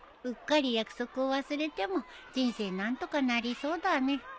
うっかり約束を忘れても人生何とかなりそうだね。